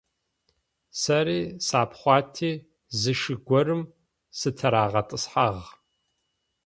Сэри сапхъуати зы шы горэм сытырагъэтӏысхьагъ.